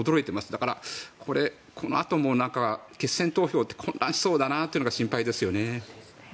だから、このあとも決選投票で混乱しそうだなというのが心配ですね。